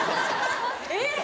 えっ！